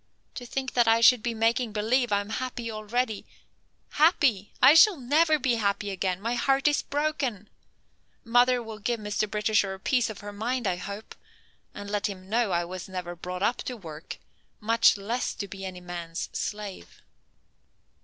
To think that I should be making believe I'm happy already. Happy! I shall never be happy again. My heart is broken. Mother will give Mr. Britisher a piece of her mind, I hope, and let him know I was never brought up to work, much less to be any man's slave."